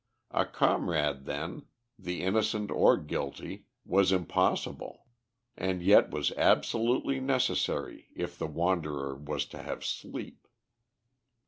A comrade, then, innocent or guilty, was impossible, and yet was absolutely necessary if the wanderer was to have sleep.